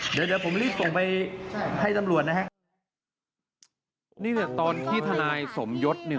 เดี๋ยวเดี๋ยวผมรีบส่งไปให้ตำรวจนะฮะนี่แหละตอนที่ทนายสมยศเนี่ย